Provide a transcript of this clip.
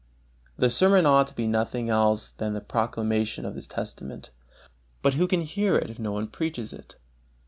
The sermon ought to be nothing else than the proclamation of this testament. But who can hear it if no one preaches it?